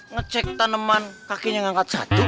ngecek tanaman kakinya ngangkat satu